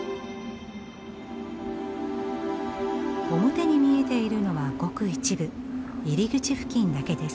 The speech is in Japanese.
表に見えているのはごく一部入り口付近だけです。